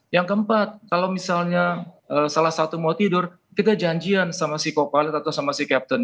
yang keempat kalau misalnya salah satu mau tidur kita janjian sama psikopalet atau sama si captain